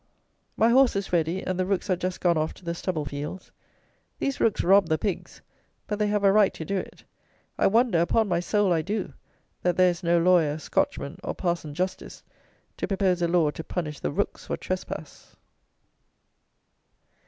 My horse is ready; and the rooks are just gone off to the stubble fields. These rooks rob the pigs; but they have a right to do it. I wonder (upon my soul I do) that there is no lawyer, Scotchman, or Parson Justice, to propose a law to punish the rooks for trespass.